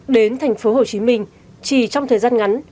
đến tp hcm chỉ trong thời gian ngắn